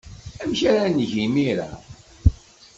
Amek ara neg imir-a?